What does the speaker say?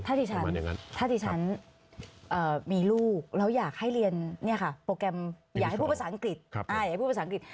ถ้าที่ฉันมีลูกแล้วอยากให้เรียนโปรแกรมอยากให้พูดภาษาอังกฤษ